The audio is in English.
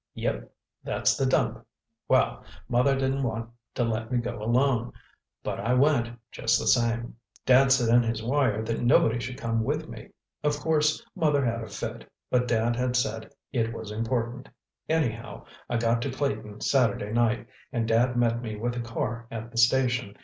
"Yep, that's the dump. Well, Mother didn't want to let me go alone—but I went, just the same. Dad said in his wire that nobody should come with me. Of course, Mother had a fit, but Dad had said it was important. Anyhow, I got to Clayton Saturday night, and Dad met me with a car at the station.